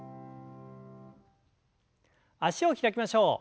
脚を開きましょう。